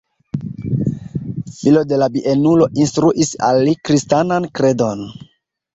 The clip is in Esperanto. Filo de la bienulo instruis al li kristanan kredon.